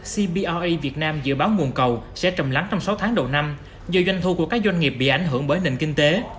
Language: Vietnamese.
cbra việt nam dự báo nguồn cầu sẽ trầm lắng trong sáu tháng đầu năm do doanh thu của các doanh nghiệp bị ảnh hưởng bởi nền kinh tế